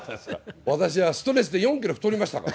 ストレスで４キロ太りましたから。